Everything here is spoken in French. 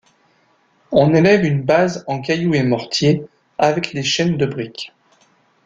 On élève une base en caillou et mortier avec des chaînes de brique.